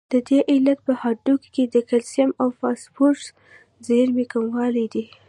د دې علت په هډوکو کې د کلسیم او فاسفورس د زیرمې کموالی دی.